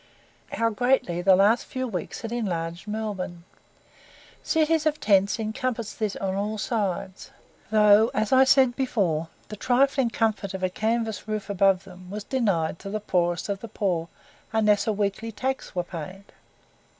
How greatly the last few weeks had enlarged Melbourne. Cities of tents encompassed it on all sides; though, as I said before, the trifling comfort of a canvas roof above them, was denied to the poorest of the poor, unless a weekly tax were paid!